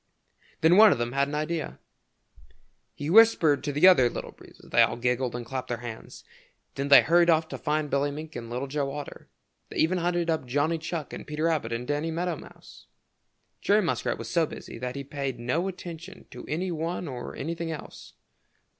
Then one of them had an idea. He whispered to the other Little Breezes. They all giggled and clapped their hands. Then they hurried off to find Billy Mink and Little Joe Otter. They even hunted up Johnny Chuck and Peter Rabbit and Danny Meadow Mouse. Jerry Muskrat was so busy that he paid no attention to any one or anything else.